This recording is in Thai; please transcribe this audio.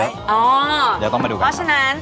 เดี๋ยวต้องมาดูกันครับ